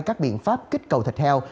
các biện pháp kích cầu thịt heo